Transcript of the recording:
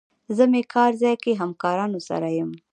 زه مې کار ځای کې همکارانو سره یم.